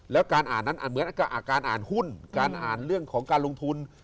แล้วการอ่านนั้นอ่านเหมือนการอ่านหุ้นการอ่านเรื่องของการลงทุน